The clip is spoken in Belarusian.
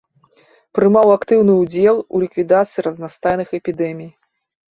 Прымаў актыўны ўдзел у ліквідацыі разнастайных эпідэмій.